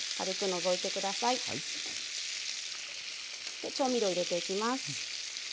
で調味料入れていきます。